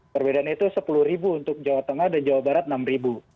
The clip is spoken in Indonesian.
perbedaan itu sepuluh ribu untuk jawa tengah dan jawa barat enam ribu